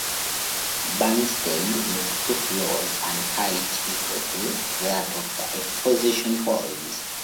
Bernstein with two floors and height equal to that of the exposition halls.